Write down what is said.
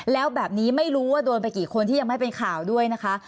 แล้วแบบนี้ไม่รู้ว่าโดนไปกี่คนที่ยังไม่เป็นข่าวด้วยนะคะ